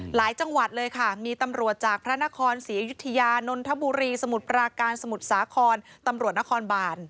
หลายจังหวัดเลยค่ะมีตำรวจจากพระนครศรีอยุธยานนทบุรีสมุทรปราการสมุทรสาครตำรวจนครบาน